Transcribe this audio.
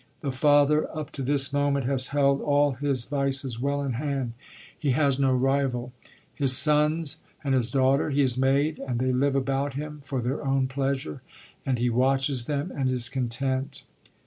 The father, up to this moment, has held all his vices well in hand; he has no rival; his sons and his daughter he has made, and they live about him for their own pleasure, and he watches them, and is content.